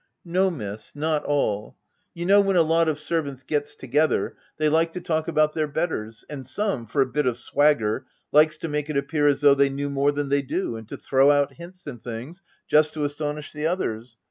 " No, Miss, not all. You know when a lot of servants gets together, they like to talk about their betters ; and some, for a bit of swagger, likes to make it appear as though they knew more than they do, and to throw out hints and things, just to astonish the others.